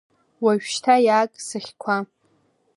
Уажәшьҭа иааг сыхьқәа…